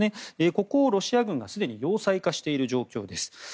ここをロシア軍がすでに要塞化している状況です。